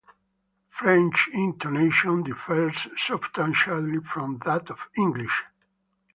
French intonation differs substantially from that of English.